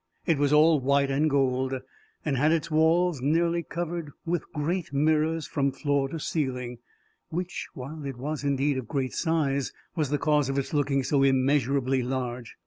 It was all white and gold, and had its walls nearly covered with great mirrors from floor to ceiling, which, while it was indeed of great size, was the cause of its looking so immeasurably large.